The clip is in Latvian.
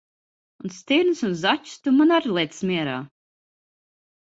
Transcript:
Un stirnas un zaķus tu man ar liec mierā!